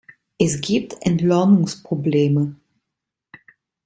Es gibt Entlohnungsprobleme.